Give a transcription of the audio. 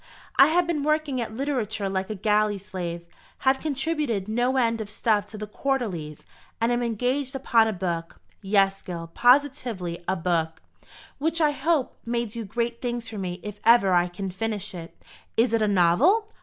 I have been working at literature like a galley slave; have contributed no end of stuff to the Quarterlies; and am engaged upon a book, yes Gil, positively a book, which I hope may do great things for me if ever I can finish it." "Is it a novel?"